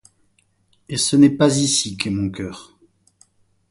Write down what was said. Et ce n’est pas ici qu’est mon cœur.